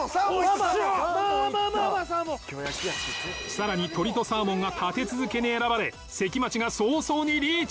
さらに鶏とサーモンが立て続けに選ばれ関町が早々にリーチ。